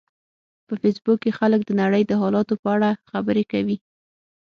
په فېسبوک کې خلک د نړۍ د حالاتو په اړه خبرې کوي